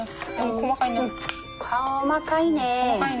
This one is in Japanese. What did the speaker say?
細かいな。